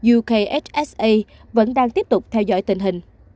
ukhsa vẫn đang tiếp tục theo dõi tình hình